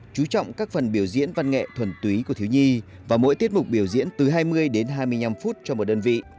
chú trọng các phần biểu diễn văn nghệ thuần túy của thiếu nhi và mỗi tiết mục biểu diễn từ hai mươi đến hai mươi năm phút cho một đơn vị